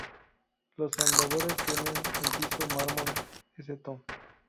Los andadores tienen en piso mármol Sto.